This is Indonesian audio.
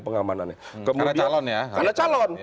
pengamanannya karena calon ya karena calon